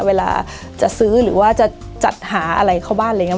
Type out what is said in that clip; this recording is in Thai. เวลาจะซื้อหรือว่าจะจัดหาอะไรเข้าบ้านอะไรอย่างนี้